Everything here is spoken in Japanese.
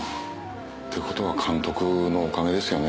ってことは監督のおかげですよね